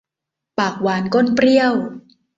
ปากหวานก้นเปรี้ยว